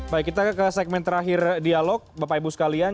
baik kita ke segmen terakhir dialog bapak ibu sekalian